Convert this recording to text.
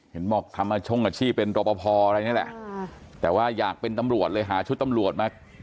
เห็นบอกทำช่งอาชีพเป็นรอปภอะไรนี่แหละแต่ว่าอยากเป็นตำรวจเลยหาชุดตำรวจมา